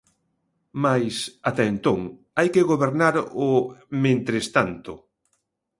Mais ata entón hai que gobernar o "mentres tanto".